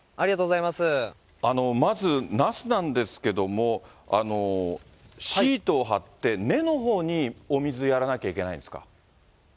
まず、ナスなんですけども、シートを張って、根のほうにお水やらなきゃいけないんですか。